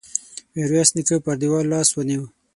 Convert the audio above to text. ميرويس نيکه پر دېوال لاس ونيو.